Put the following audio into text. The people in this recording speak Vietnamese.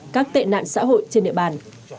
các tệ nạn xã hội trên địa bàn